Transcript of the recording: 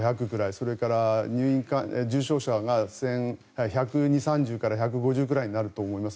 それから重症者が１２０、１３０から１５０ぐらいになると思います。